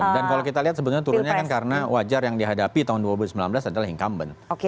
dan kalau kita lihat sebenarnya turunnya kan karena wajar yang dihadapi tahun dua ribu sembilan belas adalah incumbent